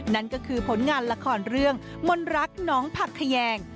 นั่นก็คือผลงานละครเรื่องมนรักน้องผักแขยง